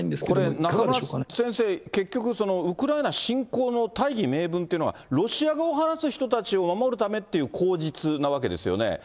これ、中村先生、結局、ウクライナ侵攻の大義名分というのは、ロシア語を話す人たちを守るためっていう口実なわけですよね。